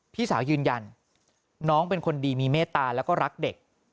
พี่สาวยืนยันน้องเป็นคนดีมีเมตตาแล้วก็รักเด็ก